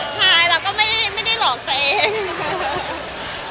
ใช่เราก็ไม่ได้หลอกตัวเอง